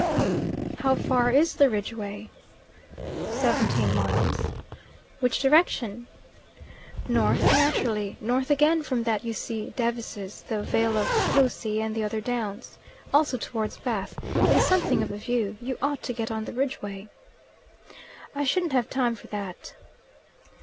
"How far is the Ridgeway?" "Seventeen miles." "Which direction?" "North, naturally. North again from that you see Devizes, the vale of Pewsey, and the other downs. Also towards Bath. It is something of a view. You ought to get on the Ridgeway." "I shouldn't have time for that."